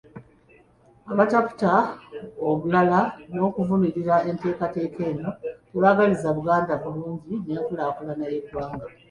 Abataputa obulala n'okuvumirira enteekateeka eno tebaagaliza Buganda bulungi n'enkulaakulana y'eggwanga.